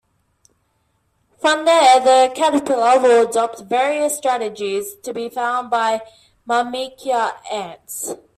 From there the caterpillar will adopt various strategies to be found by "Myrmica" ants.